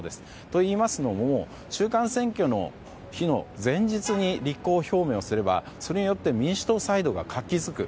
といいますのも中間選挙の前日に立候補表明をすればそれによって民主党サイドが活気づく。